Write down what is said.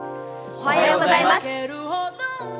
おはようございます。